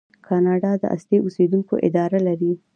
کاناډا د اصلي اوسیدونکو اداره لري.